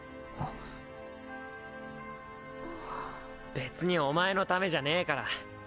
別にお前のためじゃねぇから。